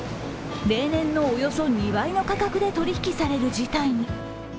例年のおよそ２倍の価格で取引される事態に。